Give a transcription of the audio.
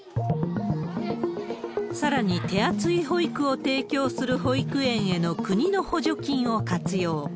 さらに、手厚い保育を提供する保育園への国の補助金を活用。